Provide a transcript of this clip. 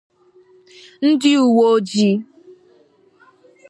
ndị uweojii